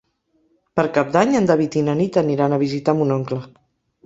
Per Cap d'Any en David i na Nit aniran a visitar mon oncle.